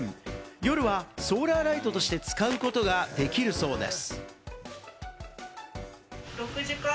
夜はソーラーライトとして使うことができるそうです。